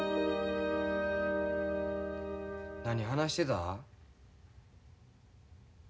何話してた？